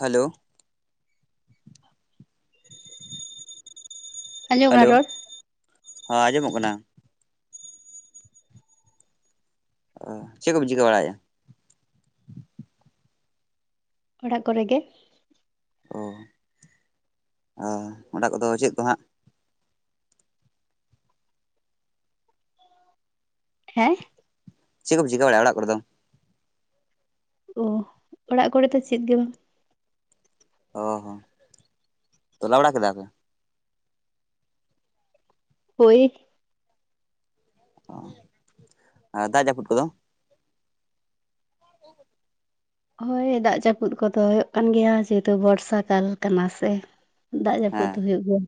Hello ᱟᱸᱡᱚᱢᱚᱜ ᱠᱟᱱᱟ hello ᱨᱚᱲ ᱦᱟ ᱟᱸᱡᱚᱢᱚᱜ ᱠᱟᱱᱟ ᱪᱮᱜ ᱠᱚ ᱵᱤᱱ ᱪᱤᱠᱟᱹ ᱵᱟᱲᱟᱭᱮᱜᱼᱟ ᱚᱲᱟᱜ ᱠᱚᱨᱮ ᱜᱮ ᱚ ᱟ ᱚᱰᱟᱜ ᱠᱚᱫᱚ ᱪᱮᱜ ᱠᱚ ᱦᱟᱸᱜ ᱦᱮᱸ ᱪᱮᱜ ᱠᱚ ᱵᱤᱱ ᱪᱤᱠᱟᱹ ᱵᱟᱲᱟᱭᱮᱜ ᱟ ᱚᱲᱟᱜ ᱠᱚᱨᱮ ᱫᱚ ᱳᱦ ᱚᱲᱟᱜ ᱠᱚᱨᱮ ᱫᱚ ᱪᱮᱫ ᱜᱮ ᱵᱟᱝ ᱚ ᱦᱚᱸ ᱛᱚᱞᱟ ᱵᱟᱲᱟ ᱠᱮᱫᱟ ᱯᱮ ᱦᱳᱭ ᱟ ᱟ ᱫᱟᱜ ᱡᱟᱯᱩᱜ ᱠᱚᱫᱚ ᱦ [inaudible] ᱦᱳᱭ ᱫᱟᱜ ᱡᱟᱯᱩᱫ ᱠᱚᱫᱚ ᱦᱩᱭᱩᱜ ᱠᱟᱱ ᱜᱮᱭᱟ ᱡᱮᱛᱳ ᱵᱚᱨᱥᱟ ᱠᱟᱞ ᱠᱟᱱᱟ ᱥᱮ ᱫᱟᱜ ᱡᱟᱹᱯᱩᱫ ᱦᱩᱭᱩᱜ ᱜᱮᱭᱟ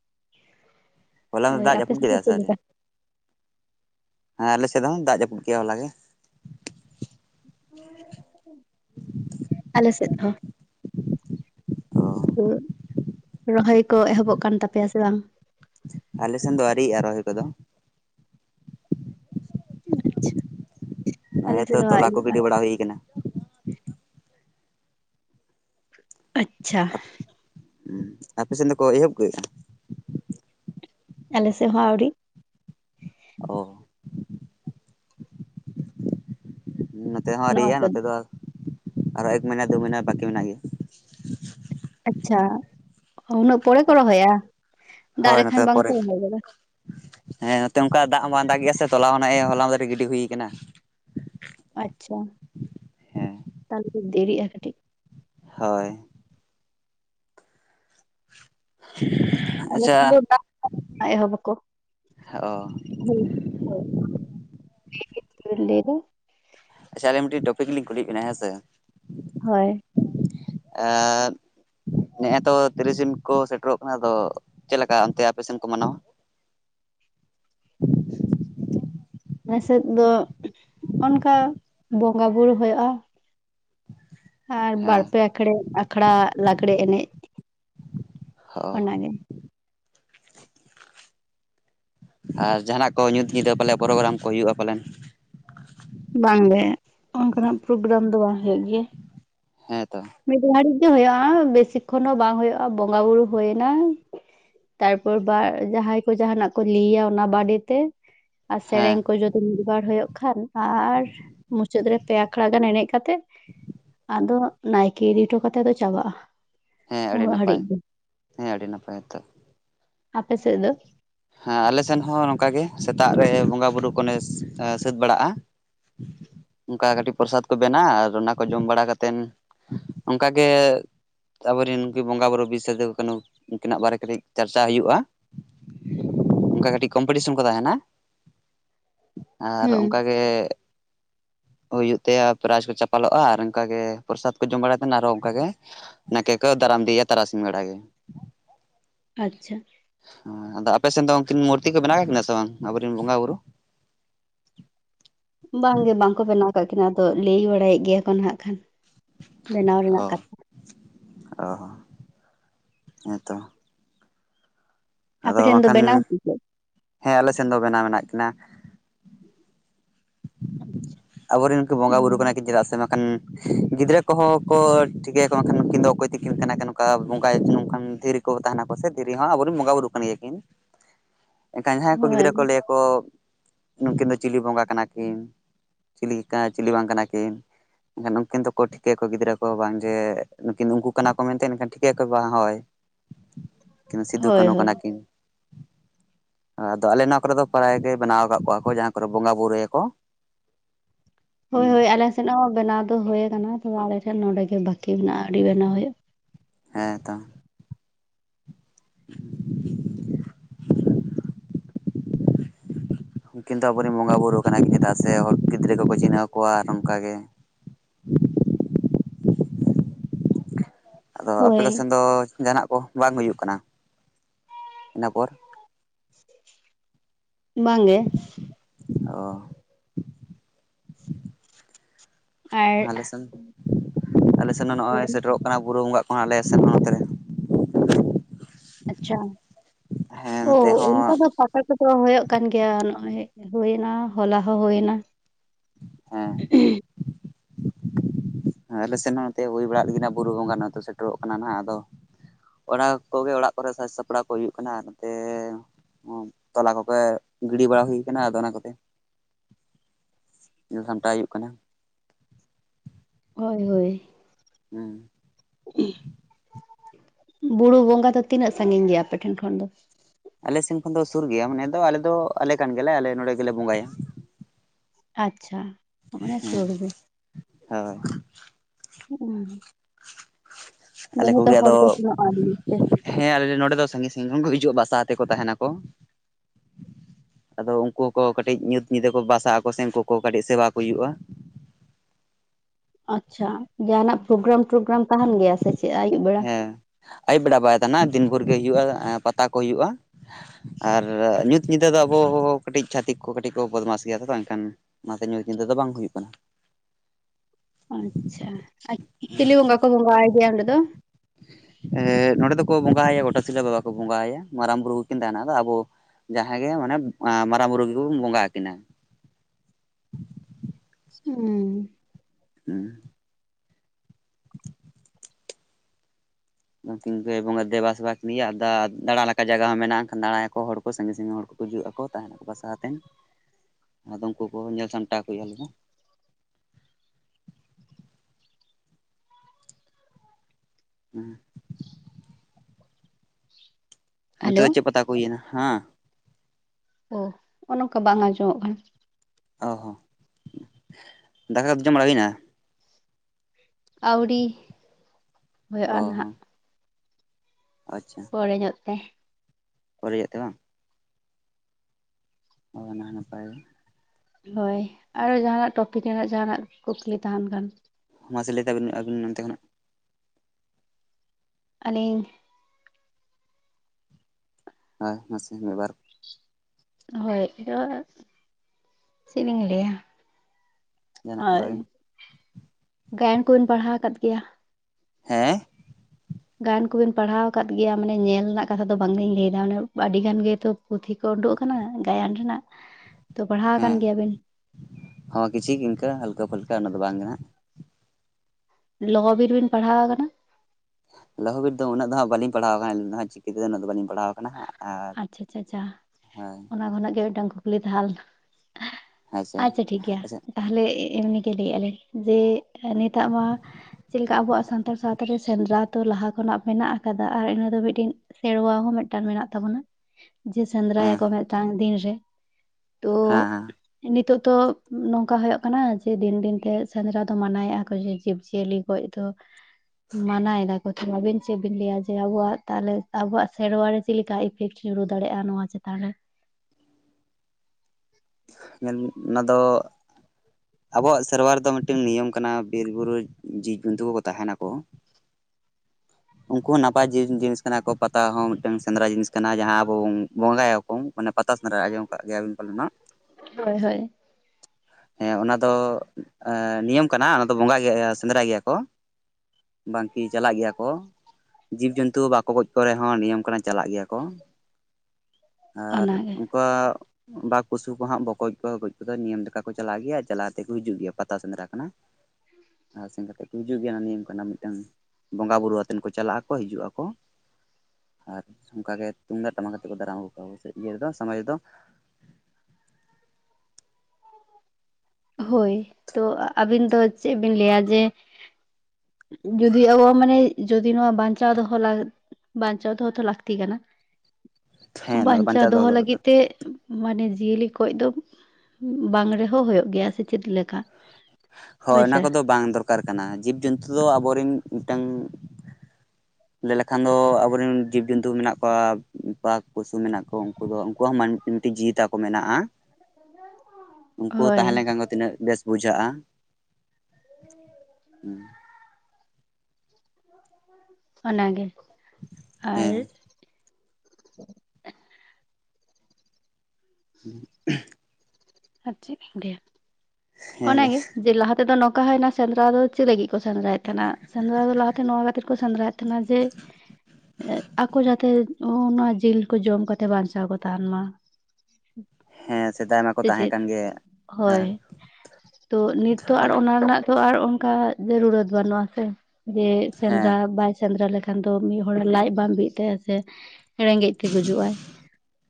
ᱦᱚᱞᱟᱱᱚᱜ ᱦᱳᱭ ᱫᱟᱜ ᱟᱯᱮ ᱡᱟᱯᱩᱜ ᱥᱮᱫ ᱫᱚ ᱠᱮᱫᱟ ᱪᱮᱫ [inaudible] ᱞᱮᱠᱟ ᱦᱮᱸ ᱟᱞᱮ ᱥᱮᱫ ᱦᱚᱸ ᱫᱟᱜ ᱡᱟᱹᱯᱩᱫ ᱠᱮᱜᱟᱭ ᱦᱚᱞᱟ ᱜᱮ᱾ ᱟᱞᱮ ᱥᱮᱫ ᱫᱚ ᱚ ᱛᱚ [inaudible] ᱨᱚᱦᱚᱭ ᱠᱚ ᱮᱦᱚᱵᱚᱜ ᱠᱟᱱ ᱛᱟᱯᱮᱭᱟ ᱥᱮ ᱵᱟᱝ ᱟᱞᱮ ᱥᱮᱱ ᱫᱚ ᱟᱨᱤᱭᱜᱼᱟ ᱨᱚᱦᱚᱭ ᱠᱚᱫᱚ ᱟᱪᱪᱷᱟ ᱟᱞᱮ ᱱᱮᱜᱮ ᱛᱚ ᱥᱮᱫ ᱦᱚᱸ ᱚᱞᱟ ᱠᱚ ᱟᱣᱨᱤᱭᱟᱜᱼᱟ ᱜᱤᱰᱤ ᱵᱟᱲᱟ ᱦᱩᱭ ᱠᱟᱱᱟ ᱟᱪᱪᱷᱟ ᱩ ᱟᱯᱮ ᱥᱯᱮᱥᱮᱱ ᱫᱚᱠᱚ ᱮᱦᱚᱵ ᱠᱮᱜᱼᱟ ᱟᱞᱮᱥᱮᱜ ᱦᱚᱸ ᱟᱹᱣᱨᱤ ᱚᱦ ᱱᱚᱛᱮ ᱦᱚᱸ ᱟᱣᱨᱤ ᱱᱚᱜᱼᱚᱭ ᱭᱟᱜᱟ ᱛᱚ ᱱᱚᱛᱮ ᱫᱚ ᱟᱨᱚ ᱮᱠ ᱢᱟᱦᱱᱮ ᱫᱩ ᱢᱟᱦᱱᱮ ᱵᱟᱠᱤ ᱢᱮᱱᱟᱜ ᱜᱮᱭᱟ ᱟᱪᱪᱷᱟ ᱩᱱᱟᱹᱜ ᱯᱚᱨᱮ ᱠᱚ ᱨᱚᱦᱚᱭᱟ ᱫᱟᱜ ᱦᱚᱭ ᱱᱚᱛᱮ ᱞᱮᱠᱷᱟᱱ ᱫᱚ ᱵᱟᱝᱠᱚ ᱯᱚᱨᱮ ᱨᱚᱦᱚᱭ ᱜᱚᱫᱟ ᱦᱮᱸ ᱱᱚᱛᱮ ᱚᱱᱠᱟ ᱫᱟᱜ ᱦᱚ ᱵᱟᱝ ᱫᱟᱜ ᱜᱮᱜᱟ ᱥᱮ ᱛᱚᱞᱟ ᱦᱚᱸ ᱱᱮᱜᱮ ᱦᱚᱞᱟ ᱢᱟᱫᱮᱨ ᱜᱤᱰᱤ ᱦᱩᱭᱠᱟᱱᱟ ᱟᱪᱪᱷᱟ ᱦᱮᱸ [unintelligible] ᱫᱤᱨᱤ-ᱟ ᱠᱟᱹᱴᱤᱡ ᱦᱳᱭ [inaudible] ᱟᱞᱮ ᱥᱮᱱ ᱟᱪᱪᱷᱟ ᱫᱚ ᱫᱟᱜ ᱞᱮᱠᱷᱟᱡ ᱮᱦᱚᱵᱟᱠᱚ ᱚ [inaudible] ᱦᱩᱸ [inaudible] ᱞᱟᱹᱭ ᱫᱟ ᱟᱪᱪᱷᱟ ᱟᱹᱞᱤᱧ ᱢᱤᱫᱴᱤᱡ ᱴᱚᱯᱤᱠ ᱞᱤᱧ ᱠᱩᱞᱮᱭᱮᱫ ᱵᱮᱱᱟ ᱦᱮᱸ ᱥᱮ ᱦᱳᱭ ᱟᱨ ᱱᱮᱜ-ᱮᱛᱚ ᱛᱤᱨᱤᱥ ᱡᱩᱱ ᱠᱚ ᱥᱮᱴᱮᱨᱚᱜ ᱠᱟᱱᱟ ᱟᱫᱚ ᱪᱮᱫᱞᱮᱠᱟ ᱚᱱᱛᱮ ᱟᱯᱮ ᱥᱮᱱ ᱠᱚ ᱢᱟᱱᱟᱣᱟ ᱱᱟᱥᱮᱫ ᱫᱚ ᱚᱱᱠᱟ ᱵᱚᱸᱜᱟ ᱵᱳᱨᱳ ᱦᱩᱭᱩᱜ-ᱟ ᱟᱨ ᱦᱮᱸ ᱵᱟᱨᱯᱮ ᱟᱠᱷᱲᱮᱡ ᱟᱠᱷᱲᱟ ᱞᱟᱜᱽᱬᱮ ᱮᱱᱮᱡ ᱚᱱᱟᱜᱮ ᱦᱚᱸ ᱟᱨ ᱡᱟᱦᱟᱱᱟᱜ ᱠᱚ ᱧᱩᱛ ᱧᱤᱸᱫᱟᱹ ᱯᱟᱞᱮ ᱯᱨᱳᱜᱨᱟᱢ ᱠᱚ ᱦᱩᱭᱩᱜ-ᱟ ᱯᱟᱞᱮᱱ ᱵᱟᱝᱜᱮ ᱚᱱᱠᱟᱱᱟᱜ ᱯᱨᱳᱜᱨᱟᱢ ᱫᱚ ᱵᱟᱝ ᱦᱩᱭᱩᱜ ᱜᱮᱭᱟ ᱦᱮᱸ ᱛᱚ ᱢᱤᱫ ᱜᱷᱟᱹᱲᱤᱡ ᱜᱮ ᱦᱩᱭᱩᱜ-ᱟ ᱵᱮᱥᱤᱠᱷᱚᱱ ᱦᱚᱸ ᱵᱟᱝ ᱦᱩᱭᱩᱜ-ᱟ ᱵᱚᱸᱜᱟ ᱵᱩᱨᱩ ᱦᱩᱭᱮᱱᱟ ᱛᱟᱨᱯᱚᱨ ᱵᱟ ᱡᱟᱦᱟᱸᱭ ᱠᱚ ᱡᱟᱦᱟᱱᱟᱜ ᱠᱚ ᱞᱟᱹᱭᱟ ᱚᱱᱟ ᱵᱟᱨᱮᱛᱮ ᱟᱨ ᱥᱮᱨᱮᱧ ᱦᱮᱸ ᱠᱚ ᱡᱚᱫᱤ ᱱᱤᱨᱵᱟᱨ ᱦᱩᱭᱩᱜ ᱠᱷᱟᱱ᱾ ᱟᱨ ᱢᱩᱪᱟᱹᱫ ᱨᱮ ᱯᱮ ᱟᱠᱷᱲᱟ ᱜᱟᱱ ᱮᱱᱮᱡ ᱠᱟᱛᱮᱜ᱾ ᱟᱫᱚ ᱱᱟᱭᱠᱮ ᱤᱫᱤ ᱦᱚᱴᱚ ᱠᱟᱛᱮᱫᱚ ᱪᱟᱵᱟᱜ-ᱟ᱾ ᱦᱮᱸ ᱟᱹᱰᱤ ᱱᱟᱯᱟᱭ ᱦᱮᱸ ᱟᱹᱰᱤ ᱱᱟᱯᱟᱭᱛᱚ ᱟᱯᱮ ᱥᱮᱫ ᱫᱚ? ᱦᱮᱸ ᱟᱞᱮ ᱥᱮᱱ ᱦᱚᱸ ᱚᱝᱠᱟ ᱜᱮ ᱥᱮᱛᱟᱜ ᱨᱮ ᱵᱚᱸᱜᱟ-ᱵᱩᱨᱩ ᱠᱚᱞᱮ ᱮᱸ ᱥᱟᱹᱛ ᱵᱟᱲᱟᱜ-ᱟ᱾ ᱚᱱᱠᱟ ᱠᱟᱹᱴᱤᱡ ᱯᱨᱚᱥᱟᱫ ᱠᱚ ᱵᱮᱱᱟᱣ ᱟᱨ ᱚᱱᱟ ᱠᱚ ᱡᱚᱢ ᱵᱟᱲᱟ ᱠᱟᱛᱮᱱ᱾ ᱚᱝᱠᱟᱜᱮ᱾ ᱟᱵᱚᱨᱮᱱ ᱜᱮ ᱵᱚᱸᱜᱟ ᱵᱳᱨᱳ ᱵᱤᱨ ᱥᱤᱫᱟᱹ ᱠᱟᱹᱱᱩ ᱩᱱᱠᱤᱱᱟᱜ ᱵᱟᱨᱮ ᱠᱟᱹᱴᱤᱡ ᱪᱟᱨᱪᱟ ᱦᱩᱭᱩᱜ-ᱟ᱾ ᱚᱝᱠᱟ ᱠᱟᱹᱴᱤᱡ ᱠᱚᱢᱯᱤᱴᱤᱥᱚᱱ ᱠᱚ ᱛᱟᱦᱮᱱᱟ᱾ ᱟᱨ ᱦᱩᱸ ᱚᱱᱠᱟᱜᱮ᱾ ᱦᱩᱭᱩᱜ ᱛᱟᱭᱟ ᱯᱨᱟᱭᱤᱥ ᱠᱚ ᱪᱟᱯᱟᱞᱚᱜ-ᱟ ᱟᱨ ᱚᱱᱠᱟᱜ ᱜᱮ ᱯᱨᱚᱥᱟᱫ ᱠᱚ ᱡᱚᱢ ᱵᱟᱲᱟᱭ ᱛᱟᱦᱮᱱᱟ ᱟᱨᱦᱚᱸ ᱚᱱᱠᱟ ᱜᱮ᱾ ᱱᱟᱭᱠᱮ ᱠᱚ ᱫᱟᱨᱟᱢ ᱤᱫᱤᱭᱼᱟ ᱛᱟᱨᱟᱥᱤᱧ ᱵᱮᱲᱟ ᱜᱮ ᱟᱪᱪᱷᱟ᱾ ᱟᱸ ᱟᱫᱚ ᱟᱯᱮ ᱥᱮᱱ ᱫᱚ ᱩᱱᱠᱤᱱ ᱢᱩᱨᱛᱤ ᱠᱚ ᱵᱮᱱᱟᱣ ᱠᱟᱫ ᱠᱤᱱᱟ ᱥᱮ ᱵᱟᱝ ᱟᱵᱚᱨᱮᱱ ᱵᱚᱸᱜᱟ ᱵᱩᱨᱩ? ᱵᱟᱝᱜᱮ ᱵᱟᱝᱠᱚ ᱵᱮᱱᱟᱣ ᱠᱟᱜ ᱠᱤᱱᱟᱹ ᱟᱫᱚ ᱞᱟᱹᱭ ᱵᱟᱲᱟᱭᱮᱫ ᱜᱮᱭᱟ ᱠᱚ ᱱᱷᱟᱜ ᱠᱷᱟᱱ᱾ ᱵᱮᱱᱟᱣ ᱨᱮᱱᱟᱜ ᱠᱟᱛ ᱚᱷ ᱦᱮᱸᱛᱚ ᱟᱯᱮ ᱟᱫᱚ ᱴᱷᱮᱱ ᱫᱚ ᱢᱟᱠᱷᱟᱱ ᱵᱮᱱᱟᱣ ᱦᱩᱭ ᱪᱮᱫ? ᱦᱮᱸ ᱟᱞᱮ ᱥᱮᱱ ᱫᱚ ᱵᱮᱱᱟᱣ ᱢᱮᱱᱟᱜ ᱠᱤᱱᱟ ᱟᱵᱚᱨᱮᱱ ᱦᱚᱸᱛᱚ ᱵᱚᱸᱜᱟ ᱵᱩᱨᱩ ᱠᱟᱱᱟ ᱦᱳᱭ ᱠᱤᱱ ᱪᱮᱫᱟᱜ ᱥᱮ ᱵᱟᱝᱠᱷᱟᱱ᱾ ᱜᱤᱫᱽᱨᱟᱹ ᱠᱚᱦᱚᱸ ᱠᱚ ᱴᱷᱤᱠᱟᱹᱭᱟᱠᱚ ᱢᱮᱱᱠᱷᱟᱱ ᱱᱩᱠᱤᱱ ᱫᱚ ᱚᱠᱚᱭ ᱛᱤᱠᱤᱱ ᱠᱟᱱᱟᱠᱤᱱ ᱱᱚᱝᱠᱟ ᱚᱱᱠᱟᱱ ᱱᱚᱝᱠᱟᱱ ᱰᱷᱤᱨᱤᱠ ᱛᱟᱦᱮᱱᱟ ᱠᱚ ᱥᱮ ᱫᱤᱨᱤ ᱦᱚᱸ ᱟᱵᱚᱨᱮᱱ ᱵᱚᱸᱜᱟ ᱵᱩᱨᱩ ᱠᱟᱱ ᱜᱮᱭᱟᱠᱤᱱ ᱮᱱᱠᱷᱟᱱ ᱡᱟᱦᱟᱸᱭ ᱠᱚ ᱜᱤᱫᱽᱨᱟᱹ ᱠᱚ ᱞᱟᱹᱭᱟ ᱠᱚ ᱱᱩᱠᱤᱱ ᱫᱚ ᱪᱤᱞᱤ ᱵᱚᱸᱜᱟ ᱠᱟᱱᱟ ᱠᱤᱱ ᱪᱤᱞᱤ ᱠᱟ ᱪᱤᱞᱤ ᱵᱟᱝ ᱠᱟᱱᱟ ᱠᱤᱱ᱾ ᱩᱱᱠᱤᱱ ᱫᱚᱠᱚ ᱴᱷᱤᱠᱟᱹᱭᱟ ᱠᱚ ᱜᱤᱫᱽᱨᱟᱹ ᱠᱚ ᱵᱟᱝ ᱡᱮ ᱱᱩᱠᱤᱱ ᱩᱱᱠᱩ ᱠᱟᱱᱟ ᱠᱚ ᱢᱮᱱᱛᱮ ᱮᱱᱠᱷᱟᱱ ᱴᱷᱤᱠᱟᱹᱭᱟ ᱠᱚ ᱵᱟᱝ ᱦᱳᱭ᱾ ᱱᱩᱠᱤᱱ ᱥᱤᱫᱩ ᱦᱳᱭ ᱠᱟᱱᱳ ᱦᱳᱭ ᱠᱟᱱᱟ ᱠᱤᱱ ᱟᱫᱚ ᱟᱞᱮ ᱱᱚᱣᱟ ᱠᱚᱨᱮ ᱫᱚ ᱯᱨᱟᱭ ᱜᱮ ᱵᱮᱱᱟᱣ ᱠᱟᱜ ᱠᱚᱣᱟ ᱠᱚ ᱡᱟᱦᱟᱸ ᱠᱚᱨᱮ ᱵᱚᱸᱜᱟ ᱵᱩᱨᱩᱭᱟᱠᱚ᱾ ᱦᱳᱭ ᱦᱩᱸ ᱦᱳᱭ ᱟᱞᱮᱥᱮᱫ ᱦᱚᱸ ᱵᱮᱱᱟᱣ ᱫᱚ ᱦᱩᱭ ᱟᱠᱟᱱᱟ ᱛᱚ ᱟᱞᱮ ᱴᱷᱮᱱ ᱱᱚᱰᱮ ᱜᱮ ᱵᱟᱹᱠᱤ ᱦᱮᱱᱟᱜ-ᱟ ᱟᱹᱰᱤ ᱵᱮᱱᱟᱣ ᱦᱩᱭᱩᱜ ᱾ ᱦᱮᱸ ᱛᱚ᱾ ᱩᱱᱠᱤᱱ ᱫᱚ ᱟᱵᱚᱨᱮᱱ ᱵᱚᱸᱜᱟ ᱵᱩᱨᱩ ᱠᱟᱱᱟ ᱪᱮᱫᱟᱜ ᱥᱮ ᱦᱚᱲ ᱜᱤᱫᱽᱨᱟᱹ ᱠᱚᱠᱚ ᱪᱤᱱᱦᱟᱹᱣ ᱠᱚᱣᱟ ᱟᱨ ᱟᱝᱠᱟᱜᱮ ᱟᱫᱚ ᱟᱯᱮ ᱦᱳᱭ ᱥᱮᱱ ᱫᱚ ᱡᱟᱦᱟᱱᱟᱜ ᱠᱚ ᱵᱟᱝ ᱦᱩᱭᱩᱜ ᱠᱟᱱᱟ ᱤᱱᱟᱹ ᱯᱚᱨ? ᱵᱟᱝᱜᱮ᱾ ᱚ ᱟᱨ ᱟᱞᱮᱥᱮᱱ ᱟᱞᱮ ᱥᱮᱱ ᱫᱚ ᱱᱚᱜᱼᱚᱭ ᱦᱳᱭ ᱥᱮᱴᱮᱨᱚᱜ ᱠᱟᱱᱟ ᱵᱩᱨᱩ ᱵᱚᱸᱜᱟᱜ ᱠᱟᱱᱟᱞᱮ ᱟᱞᱮ ᱥᱮᱱ ᱠᱚᱠᱷ ᱛᱮ ᱨᱮ ᱟᱪᱪᱷᱟ ᱦᱮᱸ ᱚ ᱱᱚᱛᱮ ᱦᱚᱸ ᱚᱱᱠᱟ ᱫᱚ ᱯᱟᱛ ᱦᱚᱭ ᱠᱚᱫᱚ ᱦᱚᱭᱚᱜ ᱠᱟᱱ ᱜᱮᱭᱟ ᱱᱚᱜᱚᱭ ᱦᱩᱭᱮᱱᱟ ᱦᱚᱞᱟ ᱦᱚᱸ ᱦᱩᱭᱮᱱᱟ ᱦᱮᱸ [inaudible] ᱟᱞᱮᱥᱮᱫ ᱦᱚᱸ ᱱᱚᱛᱮ ᱦᱩᱭ ᱵᱟᱲᱟᱜ ᱞᱤᱜᱤᱱᱟᱜ ᱵᱩᱨᱩ ᱵᱚᱸᱜᱟ ᱱᱚᱛᱮ ᱥᱮᱴᱮᱨᱚᱜ ᱠᱟᱱᱟ ᱟᱫᱚ ᱚᱱᱟ ᱠᱚᱜᱮ ᱚᱲᱟᱜ ᱠᱚᱨᱮ ᱥᱟᱡᱽ ᱥᱟᱯᱲᱟᱣ ᱠᱚ ᱦᱩᱭᱩᱜ ᱠᱟᱱᱟ ᱱᱚᱛᱮ ᱦᱚᱝ ᱪᱟᱞᱟ ᱠᱚᱯᱮ ᱜᱤᱰᱤ ᱵᱟᱲᱟ ᱦᱩᱭ ᱠᱟᱱᱟ ᱟᱫᱚ ᱚᱱᱟ ᱠᱚᱛᱮ ᱧᱮᱞ ᱥᱟᱢᱴᱟᱣ ᱦᱩᱭᱩᱜ ᱠᱟᱱᱟ ᱦᱳᱭ ᱦᱳᱭ ᱦᱩᱸ ᱵᱩᱨᱩ ᱵᱚᱸᱜᱟ ᱫᱚ ᱛᱤᱱᱟᱹᱜ ᱥᱟᱺᱜᱤᱧ ᱜᱮᱭᱟ ᱟᱯᱮᱴᱷᱮᱱ ᱠᱷᱚᱱ ᱫᱚ? ᱟᱞᱮ ᱥᱮᱱ ᱠᱷᱚᱱ ᱫᱚ ᱥᱩᱨ ᱜᱮᱭᱟ ᱢᱟᱱᱮ ᱫᱚ ᱟᱞᱮ ᱫᱚ ᱟᱞᱮ ᱠᱟᱱ ᱜᱮᱞᱮ ᱟᱞᱮ ᱱᱚᱸᱰᱮ ᱜᱮᱞᱮ ᱵᱚᱸᱜᱟᱭᱟ᱾ ᱟᱪᱪᱷᱟ ᱢᱟᱱᱮ ᱥᱩᱨ ᱦᱮᱸ ᱜᱮ ᱦᱳᱭ᱾ ᱦᱩᱸ ᱟᱞᱮ ᱠᱚᱜᱮ ᱟᱫᱚ ᱠᱚ ᱥᱮᱱᱚᱜᱼᱟ ᱟᱹᱰᱤ ᱡᱟᱹᱥᱛᱤ ᱦᱮᱸ ᱟᱞᱮ ᱱᱚᱰᱮ ᱫᱚ ᱥᱟᱺᱜᱤᱧ ᱥᱟᱺᱜᱤᱧ ᱠᱷᱚᱱ ᱠᱚ ᱦᱤᱡᱩᱜᱼᱟ ᱵᱟᱥᱟ ᱛᱮᱜ ᱠᱚ ᱛᱟᱦᱮᱱᱟ ᱠᱚ ᱟᱫᱚ ᱩᱱᱠᱩ ᱠᱚ ᱠᱟᱹᱴᱤᱡ ᱧᱩᱛ ᱧᱤᱫᱟᱹ ᱠᱚ ᱵᱟᱥᱟᱜ ᱟᱠᱚ ᱥᱮ ᱩᱱᱠᱩ ᱠᱚ ᱠᱟᱹᱴᱤᱡ ᱥᱮᱵᱟ ᱠᱚ ᱦᱩᱭᱩᱜᱼᱟ ᱟᱪᱪᱷᱟ ᱡᱟᱦᱟᱸᱱᱟᱜ ᱯᱨᱳᱜᱨᱟᱢ ᱴᱳᱜᱨᱟᱢ ᱛᱟᱦᱮᱱ ᱜᱮᱭᱟ ᱥᱮ ᱪᱮᱫ ᱟᱭᱩᱵ ᱵᱮᱲᱟ ᱦᱮ ᱟᱹᱭᱩᱵ ᱵᱮᱲᱟ ᱵᱟᱭ ᱛᱟᱦᱮᱱᱟ ᱫᱤᱱ ᱵᱷᱳᱨ ᱜᱮ ᱦᱩᱭᱩᱜᱼᱟ ᱯᱟᱛᱟ ᱠᱚ ᱦᱩᱭᱩᱜᱼᱟ ᱟᱨ ᱧᱩᱛ ᱧᱤᱫᱟᱹ ᱫᱚ ᱟᱵᱚ ᱠᱟᱹᱴᱤᱡ ᱪᱷᱟᱛᱤᱠ ᱠᱚ ᱠᱟᱹᱴᱤᱡ ᱠᱚ ᱵᱚᱫᱢᱟᱥ ᱜᱮᱭᱟ ᱛᱚ ᱮᱱᱠᱷᱟᱱ ᱚᱱᱟᱛᱮ ᱧᱩᱛ ᱧᱤᱫᱟᱹ ᱫᱚ ᱵᱟᱝ ᱦᱩᱭᱩᱜ ᱠᱟᱱᱟ ᱟᱪᱪᱷᱟ ᱪᱤᱞᱤ ᱵᱚᱸᱜᱟ ᱠᱚ ᱵᱚᱸᱜᱟᱭ ᱜᱮᱭᱟ ᱚᱸᱰᱮ ᱫᱚ ᱱᱚᱸᱰᱮ ᱫᱚᱠᱚ ᱵᱚᱸᱜᱟ ᱟᱭᱟ ᱜᱚᱴᱟ ᱥᱤᱞᱟᱹ ᱵᱟᱵᱟ ᱠᱚ ᱵᱚᱸᱜᱟ ᱟᱭᱟ ᱢᱟᱨᱟᱝ ᱵᱩᱨᱩ ᱦᱚᱸᱠᱤᱱ ᱛᱟᱦᱮᱱᱟ ᱟᱫᱚ ᱟᱵᱚ ᱡᱟᱦᱟᱸᱜ ᱜᱮ ᱢᱟᱱᱮ ᱢᱟᱨᱟᱝ ᱵᱩᱨᱩ ᱜᱮᱠᱚ ᱵᱚᱸᱜᱟ ᱟᱹᱠᱤᱱᱟ ᱦᱩᱸ ᱦᱮᱸ [inaudible] ᱩᱱᱠᱤᱱ ᱜᱟᱹᱭ ᱵᱚᱸᱜᱟ ᱫᱮᱵᱟᱼᱥᱮᱵᱟ ᱠᱤᱱ ᱜᱮᱭᱟ ᱫᱟ ᱫᱟᱬᱟ ᱞᱮᱠᱟᱱ ᱡᱟᱭᱜᱟ ᱦᱚᱸ ᱢᱮᱱᱟᱜ ᱮᱱᱠᱷᱟᱱ ᱫᱟᱬᱟᱭᱟᱠᱚ ᱦᱚᱲ ᱥᱟᱺᱜᱤᱧ ᱥᱟᱺᱜᱤᱧ ᱦᱚᱲ ᱠᱚ ᱜᱩᱡᱩᱜ ᱟᱠᱚ ᱛᱟᱦᱮᱱᱟ ᱠᱚ ᱵᱟᱥᱟᱦᱟᱛᱮᱱ ᱟᱫᱚ ᱩᱱᱠᱩ ᱠᱚ ᱧᱮᱞ ᱥᱟᱢᱴᱟᱣ ᱠᱚ ᱦᱩᱭᱩᱜᱼᱟ ᱟᱞᱮ ᱫᱚ ᱦᱩᱸ ᱚᱱᱛᱮ ᱦᱮᱞᱳ ᱫᱚ ᱪᱮᱫ ᱯᱟᱛᱟ ᱠᱚ ᱦᱩᱭᱮᱱᱟ ᱦᱟᱸ ᱳ ᱚᱱᱚᱝᱠᱟ ᱵᱟᱝ ᱟᱸᱡᱚᱢᱚᱜ ᱠᱟᱱᱟ ᱚ ᱦᱚ ᱫᱟᱠᱟ ᱠᱚᱫᱚ ᱡᱚᱢ ᱵᱟᱲᱟ ᱦᱩᱭᱱᱟ ᱟᱹᱣᱲᱤ ᱚ ᱦᱳᱭᱳᱜᱼᱟ ᱱᱟᱦᱟᱜ ᱦᱚᱸ ᱟᱪᱪᱷᱟ ᱠᱚᱲᱮ ᱧᱚᱜ ᱛᱮ ᱯᱚᱨᱤᱭᱚᱜ ᱛᱮ ᱵᱟᱝ ᱦᱳᱭ ᱚᱱᱟ ᱦᱚ ᱱᱟᱯᱟᱭ ᱜᱮ ᱦᱳᱭ ᱟᱨᱚ ᱡᱟᱦᱟᱱᱟᱜ [unintelligible] ᱴᱚᱯᱤᱠ ᱨᱮᱱᱟᱜ ᱡᱟᱦᱟᱱᱟᱜ ᱠᱩᱠᱞᱤ ᱛᱟᱦᱮᱱ ᱠᱟᱱ ᱢᱟᱥᱮ ᱞᱟᱹᱭ ᱛᱟᱵᱤᱱ ᱟᱹᱵᱤᱱ ᱱᱚᱱᱛᱮ ᱠᱷᱚᱱᱟᱜ ᱟᱹᱞᱤᱧ ᱦᱟ ᱢᱟᱥᱮ ᱢᱤᱫ ᱵᱟᱨ ᱦᱳᱭ ᱟᱫᱚ ᱪᱮᱫ ᱞᱤᱧ ᱞᱟᱹᱭᱟ ᱡᱟᱦᱟᱱᱟᱜ ᱟᱨ ᱚᱱᱠᱟ ᱜᱮ ᱜᱟᱭᱟᱱ ᱠᱚᱵᱤᱱ ᱯᱟᱲᱦᱟᱣ ᱟᱠᱟᱫ ᱜᱮᱭᱟ ᱦᱮᱸ ᱜᱟᱭᱟᱱ ᱠᱚᱵᱤᱱ ᱯᱟᱲᱦᱟᱣ ᱟᱠᱟᱫ ᱜᱮᱭᱟ ᱢᱟᱱᱮ ᱧᱮᱞ ᱨᱮᱱᱟᱜ ᱠᱟᱛᱷᱟ ᱫᱚ ᱵᱟᱝ ᱞᱤᱧ ᱞᱟᱹᱭᱮᱫᱟ ᱢᱟᱱᱮ ᱟᱹᱰᱤ ᱜᱟᱱ ᱜᱮᱛᱚ ᱯᱩᱛᱷᱤ ᱠᱚ ᱩᱰᱩᱠ ᱟᱠᱟᱱᱟ ᱜᱟᱭᱟᱱ ᱨᱮᱱᱟᱜ [unintelligible] ᱛᱚ ᱯᱟᱲᱦᱟᱣ ᱠᱟᱱ ᱦᱮᱸ ᱜᱮᱭᱟᱵᱤᱱ, ᱦᱚᱸ ᱠᱤᱪᱷᱤᱠ ᱤᱱᱠᱟᱹ ᱦᱟᱹᱞᱠᱟᱹ ᱯᱟᱹᱞᱠᱟ. ᱩᱱᱟᱜ ᱫᱚ ᱵᱟᱝ ᱜᱮ ᱱᱟᱦᱟᱜ, ᱞᱚᱦᱚ ᱵᱤᱨ ᱵᱤᱱ ᱯᱟᱲᱦᱟᱣ ᱟᱠᱟᱱᱟ, ᱞᱚᱦᱚ ᱵᱤᱨ ᱫᱚ ᱩᱱᱟᱹᱜ ᱫᱚ ᱦᱟᱸᱜ ᱵᱟᱞᱤᱧ ᱯᱟᱲᱟᱣ ᱟᱠᱟᱱ ᱩᱱᱟᱹᱜ ᱫᱚ ᱦᱟᱸᱜ ᱪᱤᱠᱤᱹᱛᱮᱫᱚ ᱩᱱᱟᱹ ᱫᱚᱞᱤᱧ ᱯᱟᱲᱦᱣᱟ ᱟᱠᱟᱱᱟ ᱟᱪᱪᱷᱟ ᱟᱪᱪᱷᱟ ᱟᱪᱪᱷᱟ ᱦᱳᱭ ᱚᱱᱟ ᱠᱷᱚᱱᱟᱜ ᱜᱮ ᱢᱤᱫᱴᱟᱝ ᱠᱩᱠᱞᱤ ᱛᱟᱦᱮᱸ ᱞᱮᱱᱟ, ᱟᱪᱪᱷᱟ ᱴᱷᱤᱠ ᱜᱮᱭᱟ ᱟᱪᱪᱷᱟ ᱛᱟᱦᱞᱮ ᱮᱢᱱᱤᱜᱮ ᱞᱟᱹᱭᱮᱜ-ᱟ ᱞᱤᱧ ᱡᱮ ᱱᱤᱛᱟᱜ ᱢᱟ ᱪᱮᱫ ᱞᱮᱠᱟ ᱟᱵᱚᱣᱟᱜ ᱥᱟᱱᱛᱟᱲ ᱥᱟᱶᱛᱟᱨ ᱨᱮ ᱥᱮᱸᱫᱽᱨᱟ ᱛᱚ ᱞᱟᱦᱟ ᱠᱷᱚᱱᱟᱜ ᱢᱮᱱᱟᱜ ᱟᱠᱟᱫᱟ ᱟᱨ ᱤᱱᱟᱹ ᱫᱚ ᱢᱤᱫᱴᱤᱱ, ᱥᱮᱨᱣᱟ ᱦᱚᱸ ᱢᱮᱫ ᱥᱮᱸᱫᱽᱨᱟ ᱢᱮᱱᱟᱜ ᱛᱟᱵᱚᱱᱟ ᱡᱮ ᱥᱮᱸᱫᱽᱨᱟ ᱦᱮᱸ ᱭᱟᱠᱚ ᱢᱤᱫᱴᱟᱝ ᱫᱤᱱ ᱨᱮ ᱛᱚ ᱦᱮᱸ ᱦᱮᱸ ᱱᱤᱛᱳᱜ ᱛᱚ ᱱᱚᱝᱠᱟ ᱦᱳᱭᱳᱜ ᱠᱟᱱᱟ ᱡᱮ ᱫᱤᱱ ᱫᱤᱱ ᱛᱮ ᱥᱮᱸᱫᱽᱨᱟ ᱫᱚ ᱢᱟᱱᱟᱭᱮᱫᱼᱟ ᱠᱚ ᱡᱮ ᱡᱤᱵᱽ ᱡᱤᱭᱟᱹᱞᱤ ᱜᱚᱡ ᱫᱚ ᱢᱟᱱᱟᱭ ᱫᱟᱠᱚ ᱛᱚ ᱟᱵᱤᱱ ᱪᱮᱫ ᱵᱤᱱ ᱞᱟᱹᱭᱟ ᱡᱮ ᱟᱵᱚᱣᱟᱜ ᱛᱟᱞᱦᱮ ᱟᱵᱚᱣᱟᱜ ᱥᱮᱨᱣᱟ ᱨᱮ ᱪᱮᱫ ᱞᱮᱠᱟ ᱤᱯᱷᱮᱠᱴ ᱧᱩᱨᱩ ᱫᱟᱲᱮᱭᱟᱜ-ᱟ ᱱᱚᱣᱟ ᱪᱮᱛᱟᱱ ᱨᱮ? ᱢᱮᱱ ᱚᱱᱟ ᱫᱚ ᱟᱵᱚᱣᱟᱜ ᱥᱮᱨᱣᱟ ᱨᱮᱫᱚ ᱢᱤᱫᱴᱮᱱ ᱱᱤᱭᱚᱢ ᱠᱟᱱᱟ ᱵᱤᱨ ᱵᱩᱨᱩ, ᱡᱤᱵᱽᱡᱚᱱᱛᱩ ᱠᱚᱠᱚ ᱛᱟᱦᱮᱱᱟᱠᱚ᱾ ᱩᱱᱠᱩ ᱦᱚᱸ ᱱᱟᱯᱟᱭ ᱡᱤᱥ ᱡᱤᱱᱤᱥ ᱠᱟᱱᱟ ᱠᱚ, ᱯᱟᱛᱟ ᱦᱚᱸ ᱢᱤᱫᱴᱟᱝ ᱥᱮᱸᱫᱽᱨᱟ ᱡᱤᱱᱤᱥ ᱠᱟᱱᱟ ᱡᱟᱦᱟᱸ ᱟᱵᱚ ᱵᱚᱱ ᱵᱚᱸᱜᱟᱭᱟ ᱟᱵ ᱚᱝ ᱢᱟᱱᱮ ᱯᱟᱛᱟ ᱥᱮᱱᱫᱚᱧᱟ ᱟᱸᱢᱚᱢ ᱠᱟᱜ ᱜᱮᱭᱟ ᱵᱮᱱ ᱯᱟᱞᱮᱱ ᱦᱟᱸᱜ᱾ ᱦᱳᱭ ᱦᱳᱭ᱾ ᱦᱮᱸ ᱚᱱᱟ ᱫᱚ ᱮ ᱱᱤᱭᱚᱢ ᱠᱟᱱᱟ, ᱚᱱᱟ ᱫᱚ ᱵᱚᱸᱜᱟ ᱜᱮᱭᱟ, ᱥᱮᱸᱫᱽᱨᱟᱭ ᱜᱮᱭᱟ ᱠᱚ᱾ ᱵᱟᱝᱠᱤ ᱪᱟᱞᱟᱜ ᱜᱮᱭᱟ ᱠᱚ, ᱡᱤᱵᱽᱡᱚᱱᱛᱩ ᱠᱚ ᱵᱟᱠᱚ ᱜᱚᱡ ᱠᱚ ᱨᱮᱦᱚᱸ ᱱᱤᱭᱚᱢ ᱠᱟᱱᱟ ᱪᱟᱞᱟᱜ ᱜᱮᱭᱟ ᱠᱚ᱾ ᱟᱨ ᱚᱱᱟᱜᱮ ᱚᱝᱠᱟ ᱵᱟᱠ ᱯᱩᱥᱩ ᱠᱚ ᱦᱟᱸᱜ [unintelligible] ᱠᱚᱣᱟ ᱜᱚᱡ ᱠᱚᱫᱚ [unintelligible] ᱚᱠᱟ ᱠᱚ ᱪᱟᱞᱟᱜ ᱜᱮᱭᱟ, ᱪᱟᱞᱟᱣ ᱠᱟᱛᱮ ᱠᱚ ᱦᱤᱡᱩᱜ ᱜᱮᱭᱟ ᱯᱟᱛᱟ ᱥᱮᱸᱫᱽᱨᱟ ᱠᱟᱱᱟ᱾ ᱟᱨ ᱥᱮᱱ ᱠᱟᱛᱮᱫ ᱠᱚ [unintelligible] ᱜᱮᱭᱟ ᱱᱤᱭᱟᱹᱢ ᱠᱟᱱᱟ ᱢᱤᱫᱴᱟᱝ, ᱵᱚᱸᱜᱟ ᱵᱳᱩᱨᱩ ᱟᱛᱮᱫ ᱠᱚ ᱪᱟᱞᱟᱜ ᱟᱠᱚ, ᱦᱤᱡᱩᱜ ᱟᱠᱚ᱾ ᱟᱨ ᱚᱱᱠᱟᱜᱮ ᱛᱩᱢᱫᱟᱜ ᱴᱟᱢᱟᱠ ᱟᱛᱮᱫ ᱠᱚ ᱫᱟᱨᱟᱢ ᱟᱹᱜᱩ ᱠᱚᱣᱟ, ᱤᱭᱟᱹ ᱨᱮᱫᱚ ᱥᱚᱢᱟᱡᱽ ᱨᱮᱫᱚ᱾ ᱦᱳᱭ, ᱛᱚ ᱟᱹᱵᱤᱱ ᱫᱚ ᱪᱮᱫ ᱵᱤᱱ ᱞᱟᱹᱭᱟ ᱡᱮ ᱡᱩᱫᱤ ᱟᱵᱚᱣᱟᱜ ᱢᱟᱱᱮ ᱡᱚᱫᱤ ᱱᱚᱣᱟ ᱵᱟᱧᱪᱟᱣ ᱫᱚᱦᱚ ᱞᱟᱠ ᱵᱟᱸᱧᱪᱟᱣ ᱫᱚᱦᱚ ᱛᱚ ᱞᱟᱹᱠᱛᱤ ᱠᱟᱱᱟ, ᱦᱮᱸ ᱚᱱᱟ ᱫᱚ ᱵᱟᱸᱧᱪᱟᱣ ᱵᱟᱧᱪᱟᱣ ᱫᱚᱦᱚ ᱞᱟᱹᱜᱤᱫ ᱫᱚᱨᱠᱟᱨ ᱛᱮ ᱢᱟᱱᱮ ᱡᱤᱭᱟᱹᱞᱤ ᱜᱚᱡ ᱫᱚ ᱵᱟᱝ ᱨᱮᱦᱚᱸ ᱦᱩᱭᱩᱜ ᱜᱮᱭᱟ ᱥᱮ ᱪᱮᱫ ᱞᱮᱠᱟ? [inaudible] ᱦᱳᱭ ᱚᱱᱟ ᱠᱚᱫᱚ ᱵᱟᱝ ᱫᱚᱨᱠᱟᱨ ᱠᱟᱱᱟ, ᱡᱤᱵᱽᱼᱡᱚᱱᱛᱩ ᱫᱚ ᱟᱵᱚᱨᱮᱱ ᱢᱤᱫᱴᱟᱝ ᱞᱟᱹᱭ ᱞᱮᱠᱷᱟᱱ ᱫᱚ ᱟᱵᱚ ᱨᱮᱱ ᱡᱤᱵᱽ ᱡᱚᱱᱛᱩ ᱢᱮᱱᱟᱜ ᱠᱚᱣᱟ ᱯᱟᱠ ᱯᱚᱥᱩ ᱢᱮᱱᱟᱜ ᱠᱚᱣᱟ ᱩᱱᱠᱩ ᱫᱚ ᱩᱱᱠᱩᱜ ᱦᱚᱸ ᱢᱟᱱ ᱮᱢᱴ ᱡᱣᱟ ᱠᱚ ᱢᱮᱱᱟᱜᱼᱟ᱾ ᱩᱱᱠᱩ ᱦᱳᱭ ᱛᱟᱦᱮᱸ ᱞᱮᱱᱠᱷᱟᱱ ᱠᱚ ᱛᱤᱱᱟᱹᱜ ᱵᱮᱥ ᱵᱩᱡᱷᱟᱹᱜᱼᱟ [unintelligible] ᱚᱱᱟᱜᱮ ᱟᱨᱼᱼ ᱦᱮᱸ [unintelligible] ᱟᱨ ᱪᱮᱫ ᱤᱧ ᱞᱮᱭᱟ, ᱦᱮᱸ ᱞᱮ ᱚᱱᱟᱜᱮ ᱡᱮ ᱞᱟᱦᱟ ᱛᱮᱫᱚ ᱱᱚᱝᱠᱟ ᱦᱩᱭᱱᱟ ᱥᱮᱸᱫᱽᱨᱟ ᱫᱚ ᱪᱮᱫ ᱞᱟᱹᱜᱤᱫ ᱠᱚ ᱥᱮᱸᱫᱽᱨᱟᱭᱮᱫ ᱛᱟᱦᱮᱱᱟ, ᱥᱮᱸᱫᱽᱨᱟ ᱫᱚ ᱞᱟᱦᱟᱛᱮ ᱱᱚᱣᱟᱛ ᱠᱷᱟᱹᱛᱤᱨ ᱠᱚ ᱥᱮᱸᱫᱽᱨᱟᱭᱮᱫ ᱛᱟᱦᱮᱱᱟ ᱡᱮ [unintelligible] ᱟᱠᱚ ᱡᱟᱛᱮ ᱚᱱᱟ ᱡᱤᱞ ᱠᱚ ᱡᱚᱢ ᱠᱟᱛᱮ ᱵᱟᱧᱪᱟᱣ ᱠᱚ ᱛᱟᱦᱮᱱ ᱢᱟ ᱦᱮᱸ ᱥᱮᱫᱟᱭ ᱢᱟᱠᱚ ᱛᱟᱦᱮᱸ ᱥᱮᱪᱮᱫ, ᱠᱟᱱ ᱜᱮ ᱦᱮᱸ ᱦᱳᱭ ᱛᱚ ᱱᱤᱛ ᱛᱚ ᱟᱨ ᱟᱫᱚ ᱚᱱᱟ ᱨᱮᱱᱟᱜ ᱛᱚ ᱟᱨ ᱚᱱᱠᱟ ᱡᱟᱹᱨᱩᱲᱟᱹᱛ ᱵᱟᱹᱱᱩᱜᱼᱟ ᱥᱮ ᱡᱮ ᱥᱮᱸᱱᱫᱽᱨᱟ ᱦᱮᱸ ᱵᱟᱭ ᱥᱮᱸᱫᱽᱨᱟ ᱞᱮᱠᱷᱟᱱ ᱫᱚ ᱢᱤᱫ ᱦᱚᱲᱟᱜ ᱞᱟᱡ ᱵᱟᱝ ᱵᱤᱜ ᱛᱟᱭᱟ ᱥᱮ ᱨᱮᱸᱜᱮᱡ ᱛᱮ ᱜᱩᱡᱩᱜ ᱟᱭ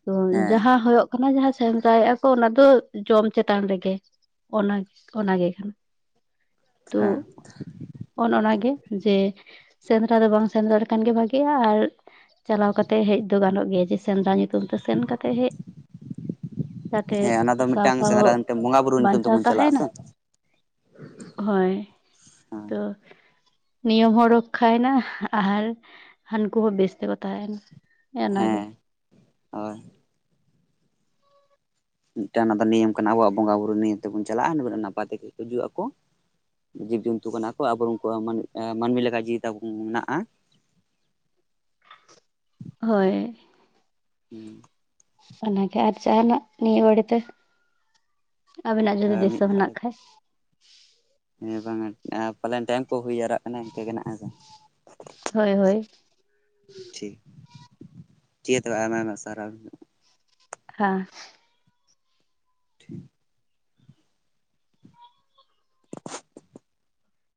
ᱛᱚ ᱦᱮᱸ ᱡᱟᱦᱟᱸ ᱦᱳᱭᱳᱜ ᱠᱟᱱᱟ ᱡᱟᱦᱟᱸ ᱥᱮᱸᱱᱫᱨᱟᱮᱫᱼᱟ ᱠᱚ ᱚᱱᱟ ᱫᱚ ᱡᱚᱢ ᱪᱮᱛᱟᱱ ᱨᱮᱜᱮ ᱚᱱᱟᱜᱮ, ᱚᱱᱟᱜᱮ ᱠᱟᱱᱟ ᱛᱚ ᱦᱮᱸ ᱚᱱ ᱚᱱᱟ ᱜᱮ ᱡᱮ ᱥᱮᱸᱫᱽᱨᱟ ᱫᱚ ᱵᱟᱝ ᱥᱮᱸᱫᱽᱨᱟ ᱞᱮᱠᱷᱟᱱ ᱜᱮ ᱵᱷᱟᱜᱤᱼᱟ ᱟᱨᱼᱼ ᱪᱟᱞᱟᱣ ᱠᱟᱛᱮ ᱦᱮᱡ ᱫᱚ ᱜᱟᱱᱚᱜ ᱜᱮᱭᱟ ᱡᱮ ᱥᱮᱸᱫᱽᱨᱟ ᱧᱩᱛᱩᱢ ᱛᱮ ᱥᱮᱱ ᱠᱟᱛᱮᱫ ᱦᱮᱡ᱾ ᱡᱟᱛᱮ ᱦᱮᱸ ᱚᱱᱟ ᱫᱚ ᱢᱤᱫᱴᱟᱝ ᱥᱮᱸᱫᱽᱨᱟ ᱠᱟᱱ ᱛᱮ ᱵᱚᱸᱜᱟ ᱵᱩᱨᱩᱼᱼ ᱪᱟᱣ ᱛᱟᱦᱮᱭᱱᱟ ᱦᱳᱭ ᱛᱚ ᱱᱤᱭᱚᱢ ᱦᱚᱸ ᱨᱚᱠᱠᱷᱟᱭᱮᱱᱟ ᱟᱨ ᱦᱟᱹᱱᱠᱩ ᱦᱚᱸ ᱵᱮᱥ ᱛᱮᱠᱚ ᱛᱟᱦᱮᱸᱭᱮᱱᱟ ᱦᱮ ᱚᱱᱟ ᱜᱮ ᱦᱮᱸ ᱦᱳᱭ ᱢᱤᱫᱴᱟᱝ ᱚᱱᱟ ᱫᱚ ᱱᱤᱭᱚᱢ ᱠᱟᱱᱟ ᱟᱵᱚᱣᱟᱜ ᱵᱚᱸᱜᱟ ᱵᱩᱨᱩ ᱱᱤᱭᱚᱢ ᱛᱮᱵᱚᱱ ᱪᱟᱞᱟᱜᱼᱟ ᱱᱟᱯᱟᱭ ᱛᱮᱜᱮ ᱦᱤᱡᱡᱩᱜ ᱟᱠᱚ ᱡᱤᱵᱽ ᱡᱚᱱᱛᱩ ᱠᱟᱱᱟ ᱠᱚ ᱟᱵᱚ ᱩᱱᱠᱩ ᱢᱟᱱ ᱢᱟᱹᱱᱢᱤ ᱞᱮᱠᱟ ᱡᱤᱣᱤ ᱛᱟᱵᱚᱱ ᱢᱮᱱᱟᱜᱼᱟ [unintelligible] ᱦᱳᱭ ᱦᱩᱸ ᱚᱱᱟᱜᱮ ᱟᱨ ᱡᱟᱦᱟᱱᱟᱜ ᱱᱤᱭᱟᱹ ᱵᱟᱹᱲᱮᱛᱮ ᱟᱵᱤᱱᱟᱜ ᱡᱩᱫᱤ ᱫᱤᱥᱟᱹ ᱢᱤᱫ ᱦᱮᱱᱟᱜ ᱠᱷᱟᱡ ᱦᱮᱸ ᱵᱟᱝᱟ ᱯᱟᱞᱮᱱ ᱴᱮᱭᱤᱢ ᱠᱚ ᱦᱩᱭ ᱡᱟᱣᱨᱟᱜ ᱠᱟᱱᱟ ᱤᱱᱠᱟᱹ ᱜᱮ ᱦᱮᱸᱥᱮ ᱦᱳᱭ ᱦᱳᱭ ᱴᱷᱤᱠ ᱴᱷᱤᱠ ᱜᱮᱭᱟ ᱛᱚᱵᱮ ᱟᱭᱢᱟ ᱟᱭᱢᱟ ᱥᱟᱨᱦᱟᱣ ᱦᱟᱸ ᱴᱷᱤᱠ